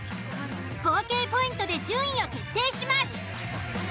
合計ポイントで順位を決定します。